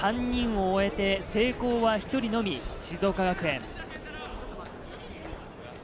３人を終えて、成功は１人のみ、静岡学園。